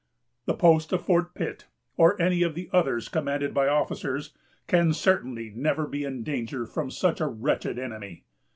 The post of Fort Pitt, or any of the others commanded by officers, can certainly never be in danger from such a wretched enemy....